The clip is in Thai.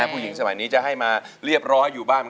ผู้หญิงสมัยนี้จะให้มาเรียบร้อยอยู่บ้าน